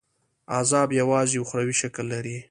عذاب یوازي اُخروي شکل لري.